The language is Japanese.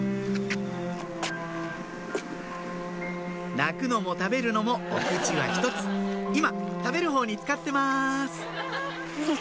泣くのも食べるのもお口は一つ今食べるほうに使ってます